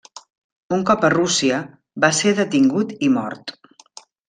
Un cop a Rússia, va ser detingut i mort.